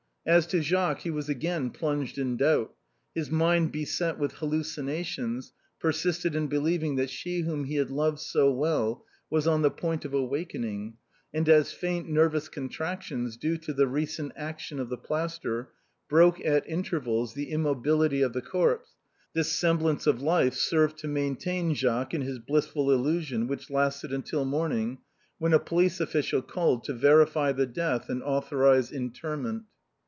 As to Jacques, he was again plunged in doubt. His mind, beset with hallucinations, persisted in believing that she whom he had loved so well was on the point of awaken ing, and as faint nervous contractions, due to the recent action of the plaster, broke at intervals the immobility of the corpse, this semblance of life served to maintain Jac ques in his blissful illusion, which lasted until morning, when a police official called to verify the death and author ize interment.